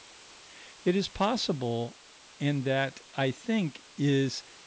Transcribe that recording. It is possible and that, I think, is M.